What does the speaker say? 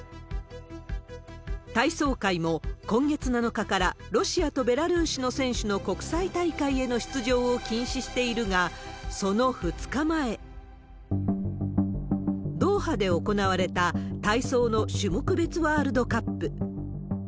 体操界も今月７日からロシアとベラルーシの選手の国際大会への出場を禁止しているが、その２日前、ドーハで行われた体操の種目別ワールドカップ。